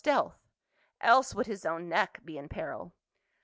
stealth, else would his own neck be in peril.